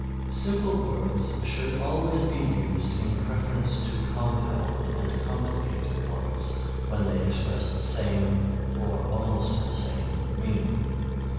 Simple words should always be used in preference to compound, and complicated ones when they express the same or almost the same meaning.